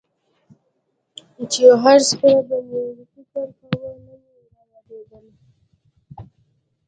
چې هرڅه به مې فکر کاوه نه مې رايادېدل.